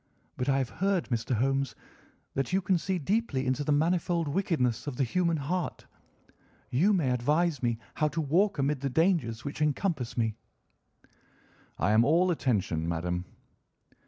But I have heard, Mr. Holmes, that you can see deeply into the manifold wickedness of the human heart. You may advise me how to walk amid the dangers which encompass me." "I am all attention, madam."